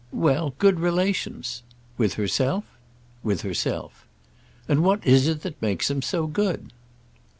"Well, good relations!" "With herself?" "With herself." "And what is it that makes them so good?"